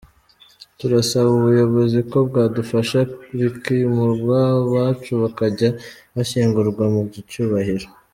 Turasaba ubuyobozi ko bwadufasha rikimurwa abacu bakajya bashyingurwa mu cyubahiro.